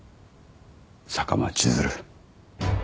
坂間千鶴。